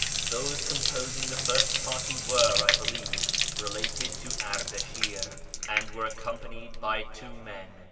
Those composing the first party were, I believe, related to Ardashir, and were ac companied by two men.